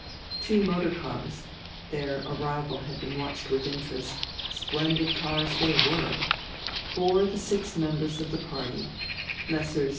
Two motor cars (their arrival had been watched with interest splendid cars they were) bore the six members of the party Messrs.